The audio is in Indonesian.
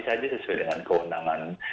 saja sesuai dengan keundangan